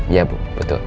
iya bu betul